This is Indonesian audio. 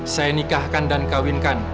saya nikahkan dan kawinkan